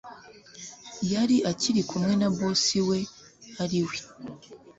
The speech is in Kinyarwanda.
yari akiri kumwe na boss we ariwe